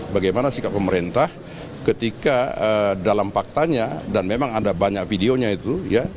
bagaimana sikap pemerintah ketika dalam faktanya dan memang ada banyak videonya itu ya